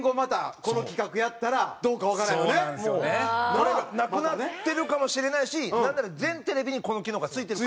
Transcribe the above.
これがなくなってるかもしれないしなんなら全テレビにこの機能が付いてるかも。